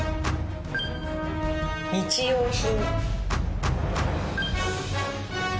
・日用品・